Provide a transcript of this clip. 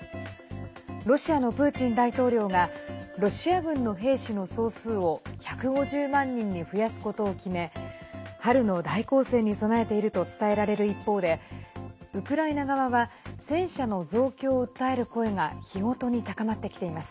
ロシアのプーチン大統領がロシア軍の兵士の総数を１５０万人に増やすことを決め春の大攻勢に備えていると伝えられる一方でウクライナ側は戦車の増強を訴える声が日ごとに高まってきています。